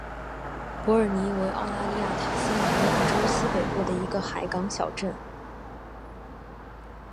伯尔尼为澳大利亚塔斯马尼亚州西北部的一个海港小镇。